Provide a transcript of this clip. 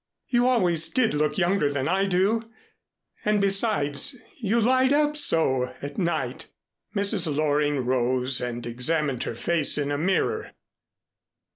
You always did look younger than I do and besides you light up so, at night." Mrs. Loring rose and examined her face in a mirror.